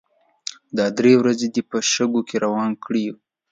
دا درې ورځې دې په شګو کې روان کړي يو.